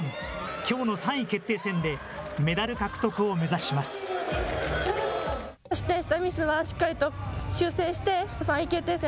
きょうの３位決定戦で、メダル獲得を目指します。